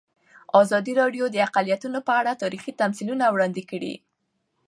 ازادي راډیو د اقلیتونه په اړه تاریخي تمثیلونه وړاندې کړي.